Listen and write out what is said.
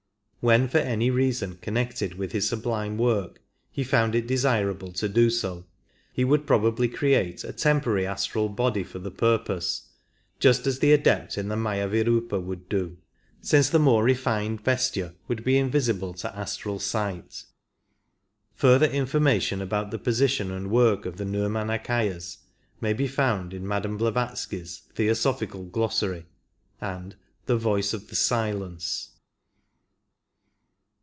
When for any reason connected with his sublime work he found it desirable to do so, he would probably create a temporary astral body for the purpose, just as the Adept in the MiyHvirflpa would do, since the more refined vesture would be invisible to astral sight. Further information about the position and work of the Nirminakayas may be found in Madame Blavatsky's Theosophical Glossary and The Voice of the Silence.